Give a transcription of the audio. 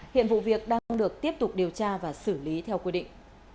hiện vụ việc đang được tiếp tục điều tra và xử lý theo quy định